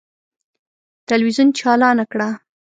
تلویزون چالانه کړه!